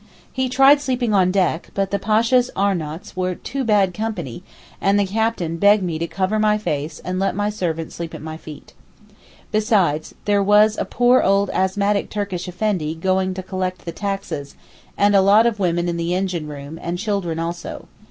He tried sleeping on deck, but the Pasha's Arnouts were too bad company, and the captain begged me to 'cover my face' and let my servant sleep at my feet. Besides, there was a poor old asthmatic Turkish Effendi going to collect the taxes, and a lot of women in the engine room, and children also.